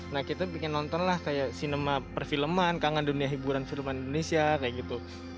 nah kita bikin nonton lah kayak sinema perfilman kangen dunia hiburan filman indonesia kayak gitu